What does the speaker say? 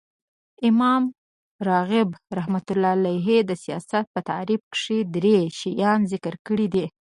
امام راغب رحمة الله د سیاست په تعریف کښي درې شیان ذکر کړي دي.